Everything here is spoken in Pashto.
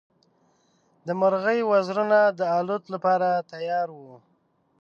د مرغۍ وزرونه د الوت لپاره تیار وو.